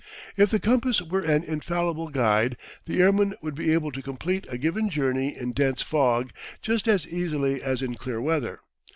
If the compass were an infallible guide the airman would be able to complete a given journey in dense fog just as easily as in clear weather.